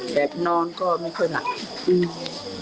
แบบนอนก็ไม่ค่อยหลัก